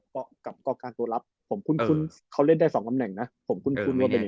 ภอมค์คุณเค้าเล่นได้๒แบบนั้นนะ